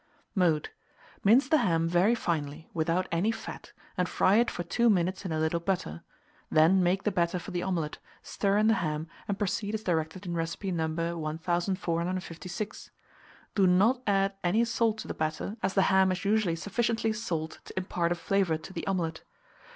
Mode. Mince the ham very finely, without any fat, and fry it for 2 minutes in a little butter; then make the batter for the omelet, stir in the ham, and proceed as directed in recipe No. 1456. Do not add any salt to the batter, as the ham is usually sufficiently salt to impart a flavour to the omelet.